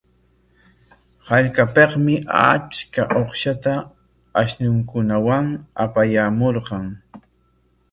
Hallqapikmi achka uqshata ashnunkunawan apayaamurqan.